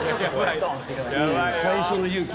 最初の勇気。